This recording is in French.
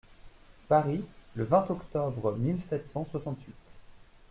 Paris, le vingt octobre mille sept cent soixante-huit.